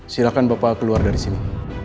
silahkan bapak keluar dari sini